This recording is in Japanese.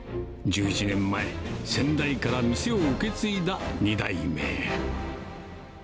１１年前、先代から店を受け継いだ２代目。